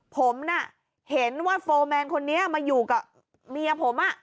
ผมน่ะเห็นว่าโฟร์แมนคนนี้มาอยู่กับเมียผม